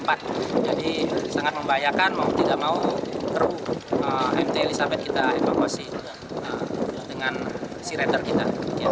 jadi sangat membahayakan mau tidak mau kru mt elizabeth kita evakuasi dengan sea radar kita